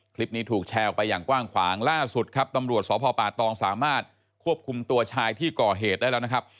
คลิปนี้ถูกแชร์ออกไปอย่างกว้างขวางล่าสุดครับตำรวจสพป่าตองสามารถควบคุมตัวชายที่ก่อเหตุได้แล้วนะครับ